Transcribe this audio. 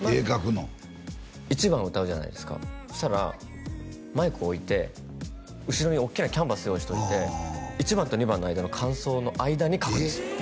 まず１番を歌うじゃないですかそしたらマイク置いて後ろにおっきなキャンバス用意しといて１番と２番の間の間奏の間に描くんすよ